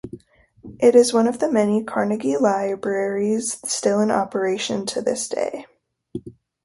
It is one of the many Carnegie Libraries still in operation to this day.